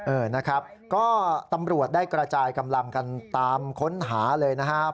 เออนะครับก็ตำรวจได้กระจายกำลังกันตามค้นหาเลยนะครับ